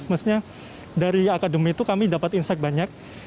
maksudnya dari akademi itu kami dapat insight banyak